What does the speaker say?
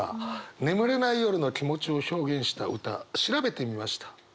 眠れない夜の気持ちを表現した歌調べてみました。